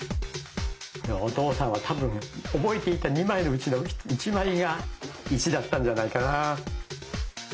お父さんは多分覚えていた２枚のうちの１枚が１だったんじゃないかな。